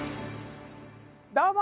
どうも。